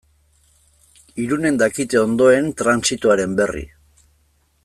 Irunen dakite ondoen trantsitoaren berri.